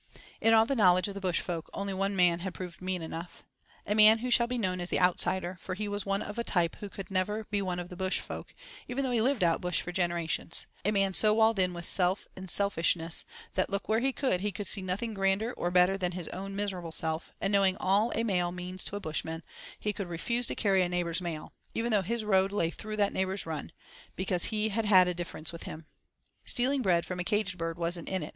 In all the knowledge of the bush folk, only one man had proved "mean enough." A man who shall be known as the Outsider, for he was one of a type who could never be one of the bush folk, even though he lived out bush for generations: a man so walled in with self and selfishness that, look where he would, he could see nothing grander or better than his own miserable self, and knowing all a mail means to a bushman, he could refuse to carry a neighbour's mail—even though his road lay through that neighbour's run—because he had had a difference with him. "Stealing bread from a caged bird wasn't in it!"